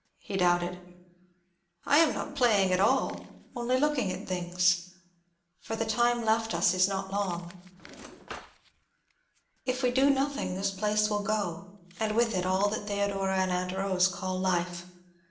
he doubted. "I am not playing at all; only looking at things. For the time left us is not long. If we do nothing, this place will go, and with it all that Theodora and Aunt Rose call life.